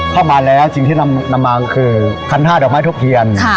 เข้ามาแล้วสิ่งที่นำมาคือคันท่าดอกไม้ทุบเทียน